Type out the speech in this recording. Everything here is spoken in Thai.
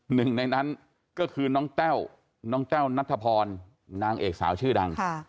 หนึ่งในนั้นก็คือน้องแต้วน้องแต้วนัทพรนางเอกสาวชื่อดัง